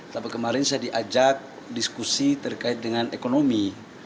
tapi kemarin saya diajak diskusi terkait dengan ekonomi